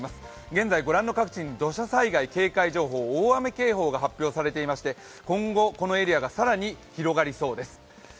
現在、ご覧の各地に土砂災害警戒情報大雨警報が発表されていまして今後、このエリアが更に広がりそうです。